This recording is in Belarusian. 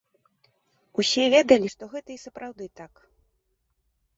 Усе ведалі, што гэта і сапраўды так.